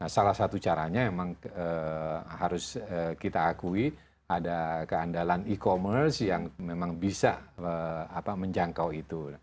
salah satu caranya memang harus kita akui ada keandalan e commerce yang memang bisa menjangkau itu